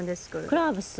クラーブス。